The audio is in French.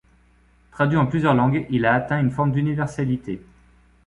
Traduit en plusieurs langues, il a atteint une forme d'universalité.